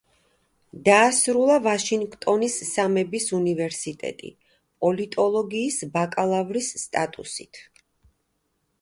დაასრულა ვაშინგტონის სამების უნივერსიტეტი პოლიტოლოგიის ბაკალავრის სტატუსით.